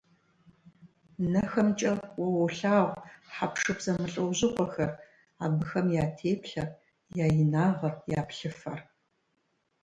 НэхэмкӀэ уэ уолъагъу хьэпшып зэмылӀэужьыгъуэхэр, абыхэм я теплъэр, я инагъыр, я плъыфэр.